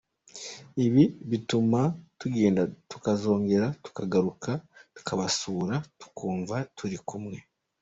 Ibi bituma tugenda tukazongera tukagaruka tukabasura tukumva turi kumwe.